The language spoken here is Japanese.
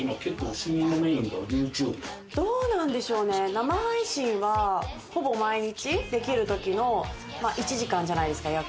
生配信は、ほぼ毎日できるときの１時間じゃないですか。